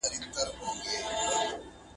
زه اوږده وخت د کتابتون پاکوالی کوم؟!